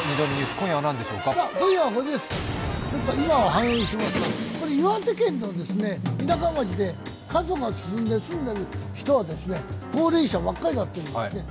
今夜は今を反映していますけれども、岩手県の田舎町で過疎が進んで住んでいる人は、高齢者ばっかりだというんですね。